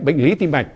bệnh lý tim mạch